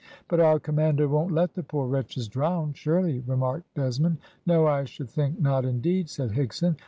"But our commander won't let the poor wretches drown, surely," remarked Desmond. "No, I should think not, indeed," said Higson.